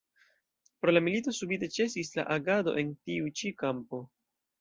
Pro la milito subite ĉesis la agado en tiu ĉi kampo.